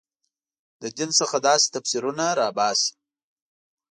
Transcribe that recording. له دین څخه داسې تفسیرونه راباسي.